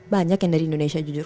banyak yang dari indonesia jujur